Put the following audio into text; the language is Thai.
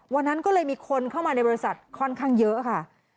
วันนั้นก็เลยมีคนเข้ามาในบริษัทค่อนข้างเยอะค่ะ